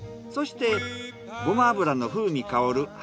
そしてごま油の風味香る